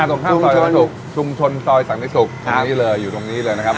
ตรงข้ามซอยวันศุกร์ชุมชนซอยสันติศุกร์ตรงนี้เลยอยู่ตรงนี้เลยนะครับ